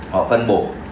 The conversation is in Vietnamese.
họ phân bộ